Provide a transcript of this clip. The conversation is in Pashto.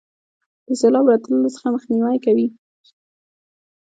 د سیلاب راتللو څخه مخنیوي کوي.